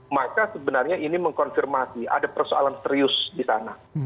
maka sebenarnya ini mengkonfirmasi ada persoalan serius di sana